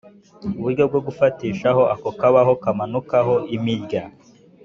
Uburyo bwo gufatisha ako kabaho kamanukaho imirya